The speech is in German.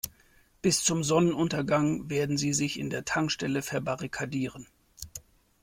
Bis zum Sonnenuntergang werden sie sich in der Tankstelle verbarrikadieren.